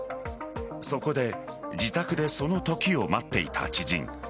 そこで、自宅でそのときを待っていた知人。